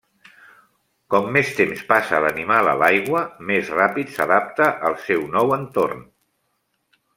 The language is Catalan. Com més temps passa l'animal passa a l'aigua, més ràpid s'adapta al seu nou entorn.